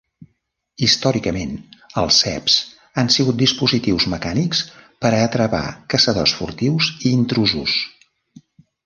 Històricament els ceps han sigut dispositius mecànics per a atrapar caçadors furtius i intrusos.